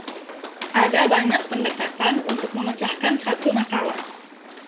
Ada banyak pendekatan untuk memecahkan satu masalah.